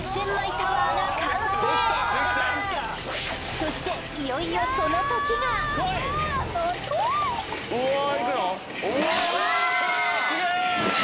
そしていよいよその時がうわ！